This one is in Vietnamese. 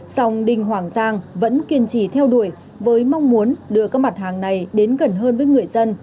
song đinh hoàng giang vẫn kiên trì theo đuổi với mong muốn đưa các mặt hàng này đến gần hơn với người dân